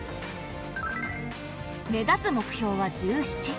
目指す目標は１７。